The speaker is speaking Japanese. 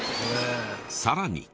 さらに。